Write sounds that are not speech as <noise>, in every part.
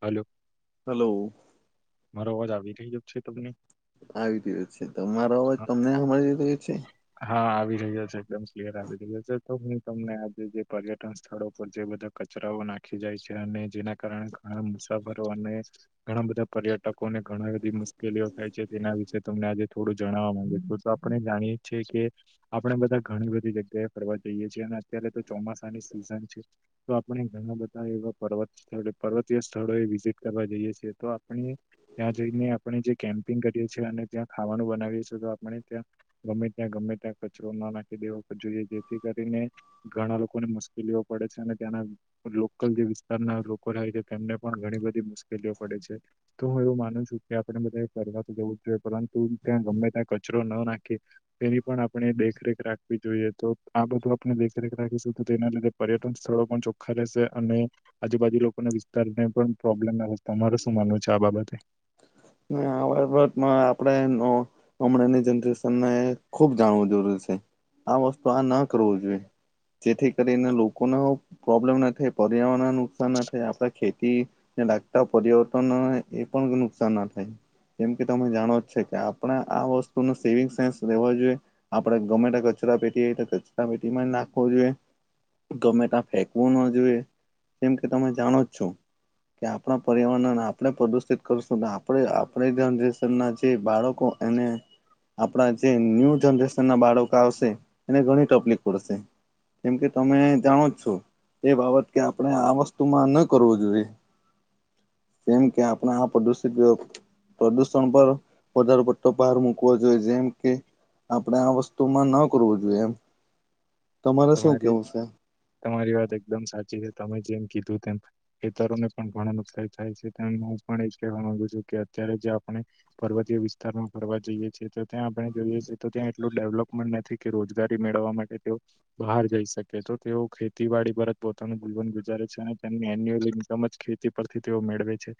Hello hello મારો અવાજ આવી રહ્યો છે તમને? આવી રહ્યો છે. તમારો અવાજ તમને હમાડી રહ્યો છે? હા આવી રહ્યો છે. એકદમ ક્લિયર આવી રહ્યો છે. તો હું તમને આજે જે પર્યટન સ્થળો પર જે બધા કચરાઓ નાખી જાય છે, અને જેના કારણે ઘણા મુસાફરો અને ઘણા બધા. પર્યટકો ને ઘણા બધી મુશ્કેલીઓ થાય છે તેના વિશે તમને આજે થોડું જણાવવા માંગે છું. તો આપણે જાણીએ ઈજ છે કે આપણે બધા ઘણી બધી જગ્યાએ ફરવા જઈએ છીએ અને અત્યારે તો ચોમાસાની સિઝન છે. તો આપણે ઘણા બધા એવા પર્ત સ્થળ પર્વતીય સ્થળોએ વિઝિટ કરવા જઈએ છીએ, તો અને ત્યાં જઈને આપણે જે કેમ્પિંગ કરીએ છીએ અને ત્યાં ખાવાનું બનાવીએ છીએ તો આપણે ત્યાં ગમે ત્યાં ગમ મેટા કચરો ના નાખી દેવો જોઈએ. જેથી કરીને ઘણા લોકોને મુશ્કેલીઓ પડે છે અને ત્યાંના લોકલ જે વિસ્તારના લોકો રહે છે, તેમને પણ ઘણી બધી મુશ્કેલીઓ પડે છે. તો હું એવું માનું છું કે આપણે બધાએ ફરવા તો જવું જ જોઈએ. પરંતુ ત્યાં ગમે ત્યાં કચરો ન નાખીએ. તેની પણ આપણે દેખરેખ રાખવી જોઈએ, તો આ બધું આપણે દેખરેખ રાખીશું, તો તેના લીધે પર્યટન સ્થળો પણ ચોખા રહેશે અને આજુબાજુ લોકોને વિસ્તાર પણ પ્રોબ્લેમ આવે તમા શું માનુંવ છે આ બાબતે આમાં આપણે હમણાંની જનરેશનને ખુબ જાણવું જરૂરી છે આ વસ્તુ આ ના કરવું જોઈએ જેથી કરીને લોકોને પ્રોબ્લેમ નથી પર્યાવરણ નુકસાન ના થાય આપડા ખેતી ને લાગતા પરિવર્તન એ પણ નુકસાન ના થાય કેમ કે તમે જાણો જ છે કે આપણે આ વસ્તુ ન સેવિંગ સેન્સ લેવા જોઈએ આપણે ગવર્મેન્ટ કચરો પટીતા પેટી માં નાખવો જોઈએ ગમે ત્યાં ફેંકવું ના જોઈએ જેમ કે તમે જાણો જ છો કે આપણા પર્યાવરણને આપણે પ્રદુષિત કરશું આપ આપણે જનરેશન ના જે બાળકો એને આપણા જે ન્યુ જનરેશન ના બાળકો આવશે એને ઘણી તકલી પડશે કેમ કે તમે જાણો જ છો એ બાબત કે આપણે આ વસ્તુમાં ન કરવું જોઈએ સેમ કે્યા આપણા આ પ્ર દૂષિતયો પ્રદુષણ પર વધારેો પડતો ભાર મૂકવો જોઈએ જેમ કે આપણે આ વસ્તુમાં ન કરવું જોઈએ એમ તમારે શું તમારી કેવું છે તમારી વાત એકદમ સાચી છે તમે જેમ કીધું તેમ ખેતરોને પણ ઘણ નુકસાન થાય છે તેમ હું પણ એજ કહેવા માંગુ છું કે અત્યારે જે આપણે પર્વતીય વિસ્તારમાં ફરવા જઈએ છીએ તો ત્યાં આપડે જોઈએ છીએ તો ત્યાં એટલું ડેવલપમેન્ટ નથી કે રોજગારી મેળવવા માટે તેઓ બહાર જઈ શકે તો તેઓ ખેતીવાડી પર જ પોતાનું જીવન ગુજારે છે અને તેમની એન્યુઅલ ઇન્કમ જ ખેતી પરથી તે મેળવે છે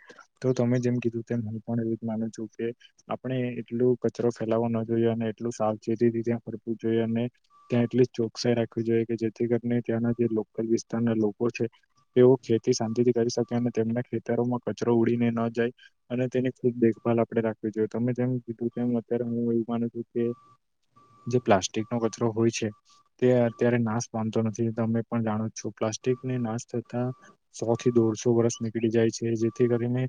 તો તમે જેમ કીધું તેમ હું પણ એવું માનું છું કે આપણે એટલું કચરો ફેલાવો ના જોઈએ અને એટલું સાવચેતી ત્યાં ફરવું જોઈએ અને ત્યાં એટલી રાખવી જોઈ કે જેથી કરીને ત્યાંના જે લોકલ વિસ્તારના લોકો છે તેઓ ખેતી શાંતિથી કરી અને તેમના ખેતરોમાં કચરો ઉડીને ન જાય અને તેની ખૂબ દેખભાલ આપણે રાખવી જોઈએ તમે જેમ ીધું તેમ અત્યારે હું એવું માનું છું કે જે પ્લાસ્ટિક નો કચરો હોય છે તે અત્યારે નાશ પામતો નથી તમે પણ જાણો છો પ્લાસ્ટિકને નાશ થતા સૌથી દૂર વોરસો વરષ નીકળી જાય છે જેથી કરીને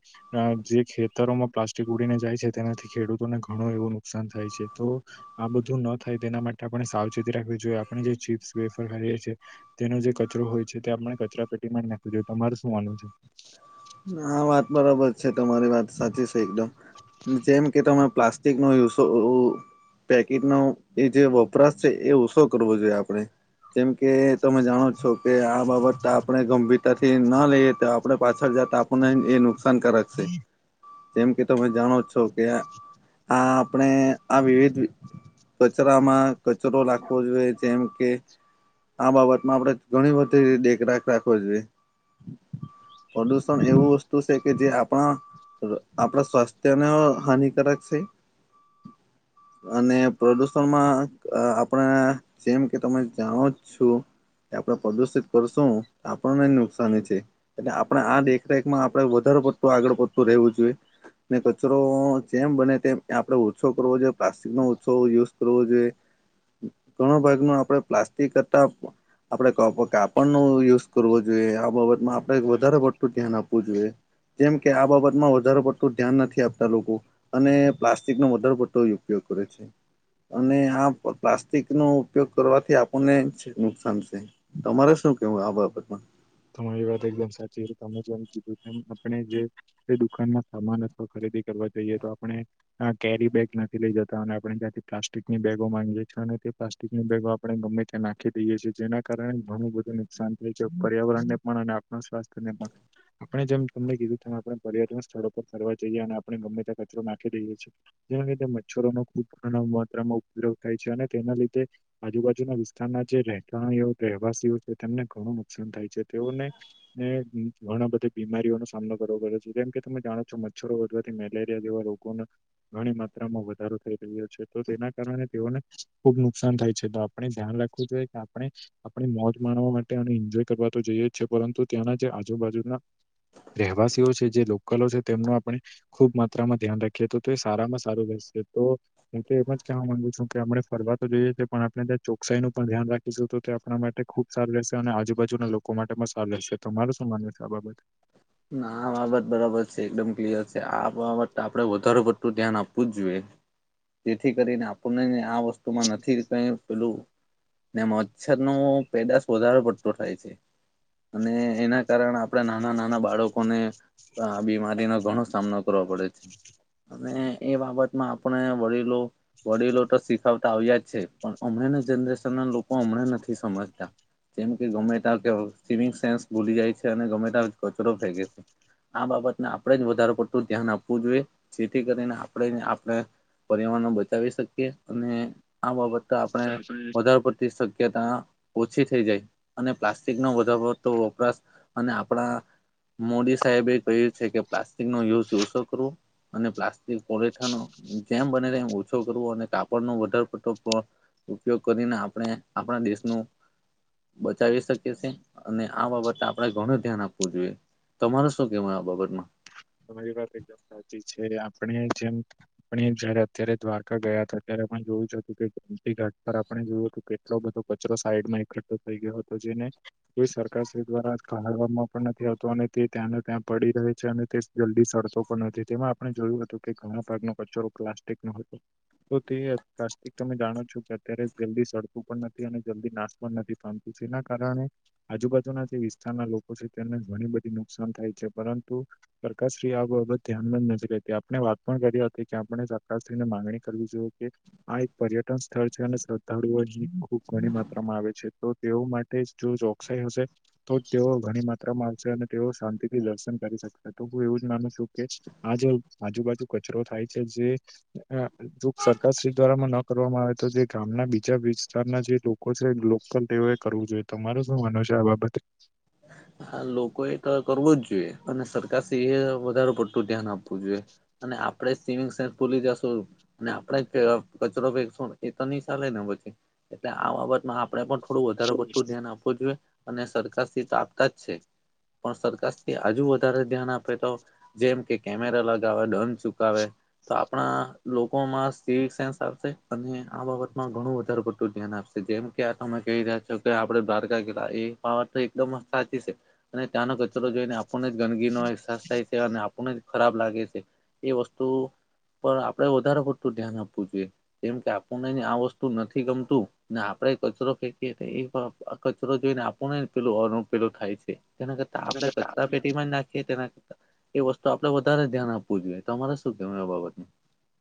જે ખેતરોમાં પ્લાસ્ટિક ઉડીને જાય છે તેનાથી ખેડૂતોને ઘણું એવું નુકસાન થાય છે તો આ બધું ન થાય તેના માટે આપણે સાવચેતી રાખવી જોઈએ આપ જે ચીપ્સ વેફર ખએ છીએ તેનો જે કચરો હોય છે તે આપણે કચરા પેટીમાં જ નાખ જોઈએ તમાર શુંન હજ હા વાત બરાબર છે તમારી વાત સાચી છે એકદમ જેમ કે તમે પ્લાસ્ટિક નો યુઝ પેકીટનોો એ જે વપરાશ છે એ ઓછો કરવો જોઈએ આપણે જેમ કે તમે જાણો છો કે આ બાબત આપણે ગંભીરતાથી ના લઈએ તો આપણે પાછળ જ આપણને એ નુકસાનકારક છે જેમ કે તમે જાણો છો કે આ આપણે આ વિવિધ કચરામાં કચરો રાખવો જોઈએ જેમ કે આ બાબતમાં આપણેે ઘણી બધી દેખરાખ રાખવી જોઈએુ એવું વસ્તુ છે કે જે આપણા આપણા સ્વાસ્થ્યને હાનિકારક છે <inaudible> અને પ્રદુષણમાં આપણે જેમ કે તમે જાણો જ છો કે આપણે પ્રદુષિત કરશું આપણને નુકસાની છે એટલે આપણે આ દે કમાં આપડે વધારે પડતતોું આગળ પડતું રહેવું જોઈએ ને કચરો જેમ બને તેમ આપડણે ઓછો કરવો જોઈએ પ્લાસ્ટિક નો ઓછો યુઝ કરવો જોઈએ ઘણો ભાગ ન આપડે પ્લાસ્ટિક કરતા આપડે કાપડ નો યુઝ કરવો જોઈએ આ બાબતમાં આપડે વધારે તો કે્યાન આપો જોએ જેમ કે આ બાબતમાં વધારે પડતું ધ્યાન નથી આપતા લોકો અને પ્લાસ્ટિક નો વધાર પડતો ઉપયોગ <unintelligible> અને આ પ્લાસ્ટિક નો ઉપયોગ કરવાથી આપણને નુકસાન છે તમારે શું શું કેવું આ બાબત માં તમારી વાત એકદમ સાચી છે તમે જેમકીધું એમ આપણે જે દુકાન સામાન અવા ઈએ ખરીદી કરવાની જઈએતો આપણે કેરી બેગ નથી લઈ જતા અનેણે ત્યાંથી પ્લાસ્ટિકની બેગો માંગીેએ છે પ્લાસ્ટિકની બેગો આપણે ગમે ત્યાં નાખી દઈએ છી જેના કારણે ઘણું બધું નુકસાન <unintelligible> થાય છે. પર્યાવરણને પણ અને આપણા સ્વાસ્થ્ય ને પણ આપણે જેમ તમને કીધું તેમ આપણે પર્યટન સ્થળો પર ફરવા જઈએ. આપણે ગમે તે કચરો નાખી દઈએ છીએ જેના લીધે મચ્છરોનો <unintelligible> બ ઘણા માત્રામાં ઉપયોગ થાય છે. અને તેના લીધે આજુબાજુના વિસ્તારના જે રહેતાણી રહેવાસીઓ છે તેમને ઘણું <unintelligible> ાન થાય છે તેઓને ઘણા બધી બીમારીઓનો સામનો કરવો પડે છે જેમ કે તમે જાણો છો મચ્છરો વધવાથી મેલેરિયા જેવા રોગોને ઘણી માત્રામાં વધારો થઈ તો તેના કારણે તેઓને ખુબ નુકસાન થાય છે તો આપણે ધ્યાન રાખવું જોઈએ કે આપણે. <inaudible> મોજ માણવા માટે અને એન્જોય કરવા તો જઈએ જ છે. પરંતુ ત્યાંના જે આજુબાજુના રહેવાસીઓ છે જે લોકલો છે તેમનું આપણે ખુબ માત્રામાં ધ્યાન રાખીએ તો એ સારામાં સારું રહેશે એ‌ તો હુ તો એમ જ કવા માંગુ છું કે આપણે ફરવા તો જોઈએ છીએ પણ આપણેે ત્યાં ચોકસાઈ નું પણ ધ્યાન રાખીશું. તો તે આપણા માટે ખુબ સારું રહેશે અને આજુબાજુના લોકો માટે પણ સારું રહેશે તમારે શું માન છે આ બાબત. ના આ બાબત બરાબર છે એકદમ ક્લિયર આ બાબત આપણે વધારે પડતું ધ્યાન આપવું જ જોઈએ. જેથી કરીને આપણને આ વસ્તુમાં નથી ક પેલું ને મચ્છર નો પેદાશ વધારે પડતો થાય છે. અને એના કારણે આપણા નાના નાના બા બાળકોને આ બીમારીનો ઘણો સામનો કરવો પડે છે અને એ બાબતમાં આપણે વડીલો વડીલો તો શીખાવતા આવ્યા જ છે પણ હમણાં જનરેશન ના લોકો હમણાં નથી સમજતા. જેમ કે ગમે ત્યાં કે સ્મિંગ સેન્સ ભૂલી જાય છે અને ગમે ત્યાં કચરો ફેેકે છે. આ બાબતને આપણે જ વધારે પડતું ધ્યાન આપવું જોઈએ જેથી કરીને આપણે આપણે પરિવાર ને બચાવી શકીએ અને આ બાબત આપણે વધારે પડતી શક્યતા ઓછી થઈ જાય અને પ્લાસ્ટિક નો જરૂરત તો વપરાશ અને આપણા મોદી સાહેબ એ કહ્યું છે કે પ્લાસ્ટિક નો યુઝ ઓછો કરવુ. અને પ્લાસ્ટિક પોલીથીન જેમ બને એમ ઓછો કરવો અને કાપડનો વધારે પડતું ઉપયોગ કરીને આપણે આપણા દેશનું બચાવી શકીએ છે અને આ બાબતે આપણેે ઘણું ધ્યાન આપવું જોઈએ. તમારે શું કહેવાય આ બાબતમાં તમારી વાત એકદમ સાચી છે આપણે જેમ <inaudible> જયારે અત્યારે દ્વારકા ગયા હતા ત્યારે જોયું જ હતું કે <unintelligible> ઘાટ પર આપણે જોયું હતું કેટલો બધો કચરો સાઈડમાં એકઠો થઈ ગયો હતો જેને કોઈ સરકારશ્રી દ્વારા ખહાડવામાં પણ નથી આવતો અને તે ત્યાંને ત્યાં પડી રહે છે અને તે જલ્દી સડતો પણ નથી તેમાં આપણે જોયું હતું કે ઘણા ભાગ નો કચરો પ્લાસ્ટિક નો હતો તો તે પ્લાસ્ટિક તમે જાણો છો કે અત્યારે જલ્દી સડતું પણ નથી અને જલ્દી નાશ પણ નથી પામતું જેના કારણે - <unintelligible> -આજુબાજુના જે વિસ્તારના લોકો છે તેમને ઘણી બધી નુકસાન થાય છે પરંતુ પ્રકાશશ્રીઆ બાબત ધ્યાનમાં જ નથી રહેતી આપણે વાત પણ કરી હતી કે આપણે સરકાશ્રી ની માગણી કરવી જોઈએ આ એક પર્યટન સ્થળ છે, અને શ્રદ્ધાળુઓ અહીં ખૂબ ઘણી માત્રામાં આવે છે તો તેઓ માટે <unintelligible> જો ચોકસાઈ હશે તો તેઓ ઘણી માત્રામાં આવશે અને તેઓ શાંતિ થી દર્શન કરી શકશે તો હું એવું જ માનું છું કે આ જે આજુબાજુ કચરો થાય છે જે અ <unintelligible> સરકાર શ્રી દ્વારામાં ન કરવામાં આવે તો જે ગામના બીજા વિસ્તારના જે લોકો છે લોકલ તેઓએ કરવું જોઈએ. તમારું શું માનવું છે આ બાબતે હા લોકોએ કર કરવો જ જોઈએ અને સરકાર શ્રી એ વધારે પડતું ધ્યાન આપવું આપ જોએ અને આપ આપણે સ્મિંગ સેલ્ફ ભૂલી જઈશું ને આપણે કચરો ફેકશું એ તો નહી ચાલે ને પછી એટલે આ બાબતમાં આપણે પણ થોડું વધારે પડતું ધ્યાન આપવું જોઈએ અને સરકાર શ્રી ત કચ છે પણ સરકારથી આજુ વધારે ધ્યાન આપે તો જેમ કે કેમેરા લગાવે, દંડ ચુકાવેે તો આપણા લોકોમાં સિવિલ સેન્સ આવશે અને આ બાબતમાં ઘણું વધારે બટું ધ્યાન આવે જેમ કે આ તમે કહી રહ્યા છો કે આપડે દ્વારકા ગેલ્લા એ પર તો એકદમ સાચી છે અને ત્યાંનો કચરો જોઈને આપણને જ ગંદગીનો એહસાસ થાય છે અને આપણને જ ખરાબ લાગે છે એ વસ્તુ પણ આપડે વધારે પડતું ધ્યાન આપવું જોઈએ કેમ કે આપણને આ વસ્તુ નથી ગમતું ને આપડ એ કચરો ફેંકીએ એ કચરો જોઈને આપો નેને પેલું અનુ પેલું થાય છે તેના કરતા આપડે કચરા પેટીમાં જ નાખીએ તેના. એ વસ્તુ આપડણે વધારે ધ્યાન આપવું જોઈએ. તમારે શું કેવું એ બાબતનું.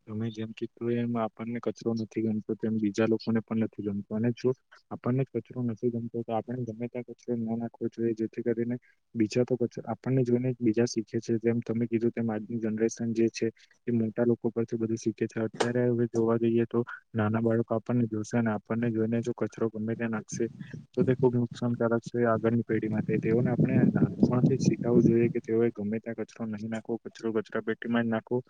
તમે જેમ કીધું એમ આપણને કચરો નથી ગમતો તેમ બીજા લોકોને પણ નથી ગમતો અને જો આપણને જ કચરો નથી ગમતો આપણે ગમે ત્યાં કચરો ના નાખવો જોઈએ જેથી કરીને બીજા તો કચરો આપણને જોઈને બીજા શીખે છે. જેમ તમે કીધું તેમ આજની જનરેશન જે છે એ મોટા ઉપરથી બધું શીખે છે અત્યારે હવે જોવા જઈએ તો નાના બાળકો આપણને જોશે અને આપણને જોઈને કચરો ગમે ત્યાં નાખશે તો તે ખુબ નુકસાનકારક છે. આગળની પેઢી માટે તેઓને આપણે નાનપણ શીખવવું જોઈએ કે તેઓએ ગમે ત્યાં કચરો નહીં નાખવો કચરો કચરા પેટીમાં જ નાખવો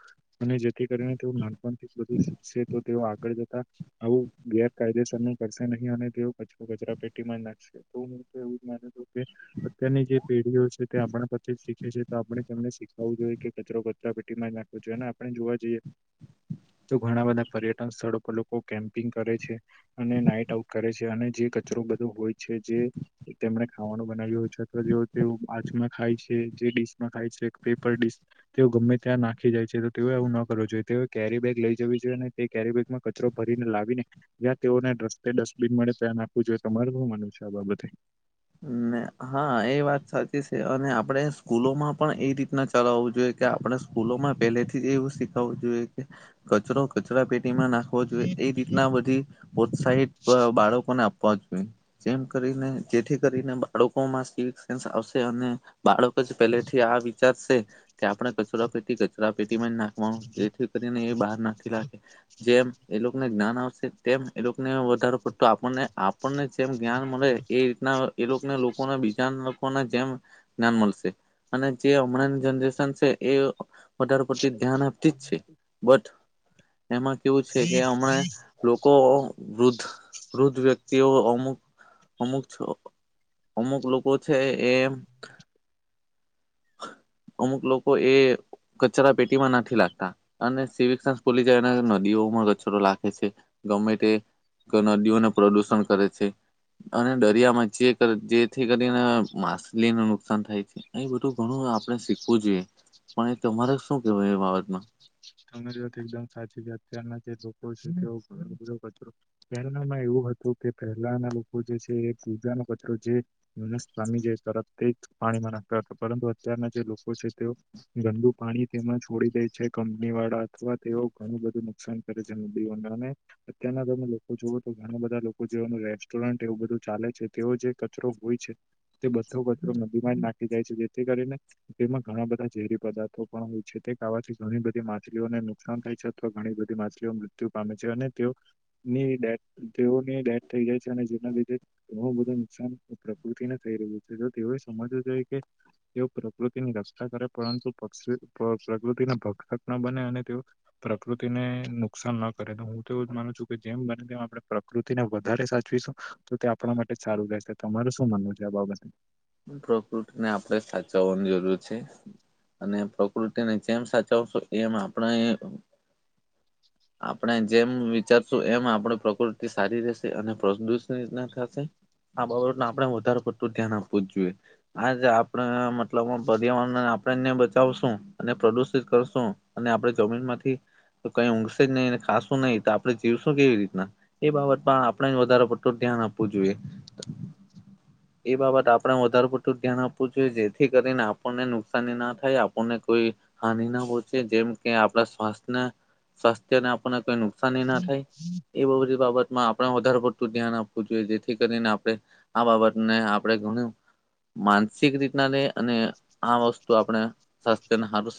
અને કરીને તેઓ નાનપણ થી જ બધું શીખશે તો તેઓ આગળ જતા આવું ગેરકાયદેસર ન કરશે. તે કચરો કચરા પેટીમાં નાખશે તો હું તો એવું માનું છું કે અત્યારની જે પેઢીઓ કે આપણા પાછી જ શીખે તો આપણે એમને શીખવું જોઈએ કે કચરો કચરા પેટીમાં જ નાખવો જોઈએ અને આપણે જોવા જી એક તો ઘણા બધા પર્યટન સ્થળો પર લોકો કેમ્પિંગ કરે છે, અને નાઈટ આઉટ કરે છે, અને જે કચરો બધો હોય છે જે, તેમને ખાવાનું બનાવ્યું હોય છે અથવા જે તે આછમાં ખાય છે. જે ડીશ માં ખાય છે પેપરડીશ તેઓ ગમે ત્યાં નાખી જાય છે તો તે એ <unintelligible> તે ઓ કેરી બેેગ લઈ જવી જોઈએ અને તે કેરી બેગમાં કચરો ભરીને લાવીને જ્યાં તેઓને રસ્તે ડસ્ટ બિન મળે ધ્યાન આપવું જોઈએ તમારું હુ માનવું છે આ બાબતે હમ <unintelligible> હા એ વાત સાચી છે, અને આપડણે સ્કૂલોમાં પણ એ રીતના ચલાવું જોઈએ કે આપડણે સ્કૂલ લો માં પેહલે થી એવું શીખવુ જોઈએ કે કચરો કચરા પેટી તેમાં નાખવો જોઈએ એ રીતના બધી પ્રોત્સાહિત બાળકોને આ પહોચવી જે કરીને જેથી કરીને. બાળકોમાં સ સેન્સ આવશે અને બાળક જ પેલેથી આ વિચારશે કે આપણે કચરા કચરા પેટીમાં નાખવાનું જેથી કરીને એ બહાર નથી નાખે જેમ એ લોકોને જ્ઞાન આવે. તેમ એને વધારો કરતો આપણને આપણને જેમ જ્ઞાન મળે એ રીતના એ બીજા લોકોને જેમ મળશે અને જે હમણાં જનરેશન છે એ વધારે પડતી ધ્યાન આપતી જ છે બટ એમાં કેવું છે કે હમણાં લોકો વૃદ્ધ વૃદ્ધ વ્યક્તિઓ અમુક અમુક અમુક લોકો છે એ <inaudible> અમુક લોકો એ કચરા પેટીમાં નથી લાગતા અને સિવિકસસ ભૂલી જાય નદીઓ કચરો લખે છે ગમે નદીઓને પ્રદુષણ કરે છે. અને દરિયા માં જે જેથી કરીને માછલીને નુકસાન થાય છે એ બધું ઘણું આપણે શીખવું જોઈએ પણ એ તમારે શું કેવાય એ બાબતમાં તમારી વાત એકદમ સાચી છે અત્યારના જે લોકો છે એવ ત્યારનામાં એવું. કે પહેલા ના લોકો જે છે એ પૂજા ન પ જે સ્વામી જે તરફ પાણીમાં નાખતા હતા પરંતુ અત્યારના જે લોકો છે તેઓ ગંદુ પાણી તેમાં છોડી દે છે. વાળા અથવા તેઓ ઘણું બધું નુકસાન કરે છે. નદીઓના અને અત્યારના તમે લોકો જુઓ તો ઘણા બધા લોકો જેનું રેસ્ટોરન્ટ એવું બધું ચાલે છે તેઓ જે કચરો હોય છે તે બધો કચરો ન નાખી જાય છે જેથી કરીને તેમાં ઘણા બધા ઝેરી પદાર્થો પણ હોય છે તેવા ઘણીધી માછલીઓને નુકસાન થાય છે અથવા ઘણી બધી માછલીઓ મૃત્યુ પામે છે અને તેઓની ડેથ તેઓની ડેથ થઈ જાય છે અને જેના લીધે ઘું બધું નુકસાન પ્રકૃતિને થઈ રહ્યું છે તેઓ સમવું જોઈ કે તેઓ પ્રકૃતિની રક્ષા કરે પરંતુ પ પ્રકૃતિના ભ બને અને તે પ્રકૃતિ ને નુકસાન ન કરે તો હું તો એવું જ માનું છું કે જેમ બને તેમ આપે પકૃતિ ને વધારે સાચવીશું તો તે આપણા માટે જ સારું રહેશે તમાર શું માનવું છે આ બાબતે. પ્રકૃતિ ને આપણે સાચવવાની જરૂર છે. અને પ્રકૃતિને જેમ સાચવશો એમ આપણે આપણે જેમ વિચારશું એમ આપણી પ્રકૃતિ સારી રહેશે અને પ્રદૂષિત થશે આ બાબને આપડે વધારે પડતું ધ્યાન પૂછ આજ આપે મતલબ પર્યાવરણ આપણેને બચાવશું અને પ્રદુષિત કરશો અને આપણે જમીન માંથી તો કઈ ઊંશે જ નહીં ને ખાાસું નહીિ તો આપણે જીવશું કેવી રીતના એ બાબતમાં આપણે જ વધારે પડતું ધ્યાન આપવું જોઈએ એ બાબત આપ આપણે વધારે પડતું ધ્યાન આપવું જોઈએ જેથી કરીને આપણને નુકસાની ના થાય આપણને કોઈ હાનિ ના જેમ કે આપણા સ્ સ્વાસ્થ્યને આપ કોઈ નુકસાાનની ના થાય એ બ બધી બાબત આપણે વધારે પડતું ધ્યાન આપવું જોઈએ જેથી કરીને આપણે આ બાબતને આપણે ઘણું માનસિક રીતના લઈ અને આ વસ્તુ આપણે સ્વાસ્થ્ય સારું